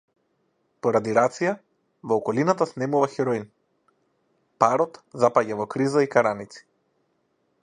Поради рација, во околината снемува хероин, парот запаѓа во криза и караници.